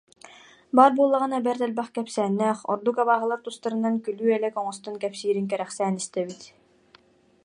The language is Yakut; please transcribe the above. Баар буоллаҕына бэрт элбэх кэпсээннээх, ордук абааһылар тустарынан күлүү-элэк оҥостон кэпсиирин кэрэхсээн истэбит